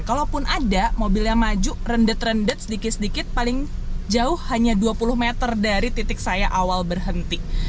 kalaupun ada mobilnya maju rendet rendet sedikit sedikit paling jauh hanya dua puluh meter dari titik saya awal berhenti